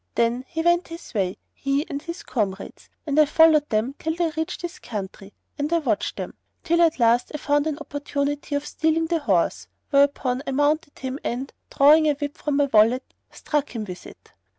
Then he went his way, he and his comrades, and I followed them till they reached this country; and I watched them, till at last I found an opportunity of stealing the horse, whereupon I mounted him and, drawing a whip from my wallet, struck him with it.